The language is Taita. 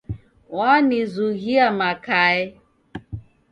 Wanizughia makae.